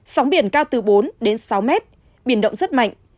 sóng biển cao từ bốn đến sáu mét biển động rất mạnh